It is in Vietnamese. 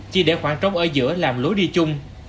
chỉ để khoảng trống ở giữa làm lối đi chung